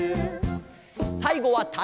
さいごはたいこ！